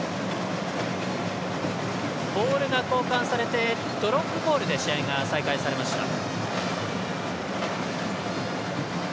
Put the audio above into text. ボールが交換されてドロップボールで試合が再開されました。